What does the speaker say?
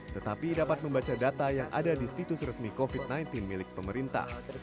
tetapi dapat membaca data yang ada di situs resmi covid sembilan belas milik pemerintah